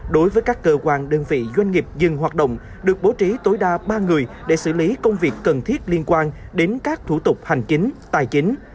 đối với các cơ quan đơn vị doanh nghiệp dừng hoạt động được bố trí tối đa ba người để xử lý công việc cần thiết liên quan đến các thủ tục hành chính tài chính